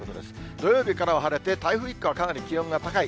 土曜日からは晴れて、台風一過、かなり気温が高い。